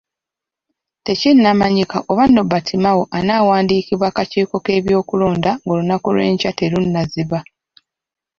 Tekinnamanyika oba Nobert Mao anaawandiikibwa akakiiko k'ebyokulonda ng'olunaku lw'enkya terunnaziba.